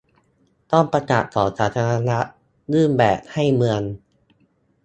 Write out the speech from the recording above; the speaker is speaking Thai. ต้องประกาศต่อสาธารณะ ยื่นแบบให้เมือง